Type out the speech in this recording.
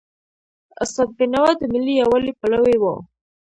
استاد بینوا د ملي یووالي پلوی و.